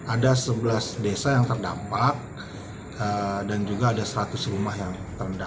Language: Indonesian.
ada sebelas desa yang terdampak dan juga ada seratus rumah yang terendam